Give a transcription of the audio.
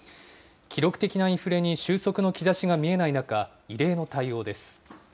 記録的なインフレに収束の兆しが見えない中、異例の対応です。